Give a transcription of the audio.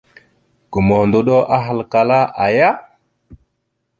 Gomohəndoɗo ahalkala : aaya ?